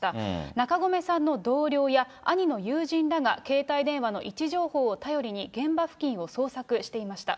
中込さんの同僚や、兄の友人らが携帯電話の位置情報を頼りに現場付近を捜索していました。